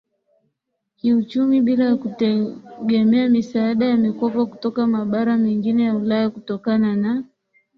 kiuchumi bila ya kutegemea misaada na mikopo kutoka mabara mengine ya ulaya Kutokana na